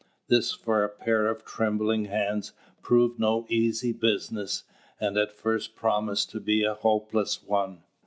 This, for a pair of trembling hands, proved no easy business, and at first promised to be a hopeless one.